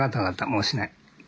もうしない。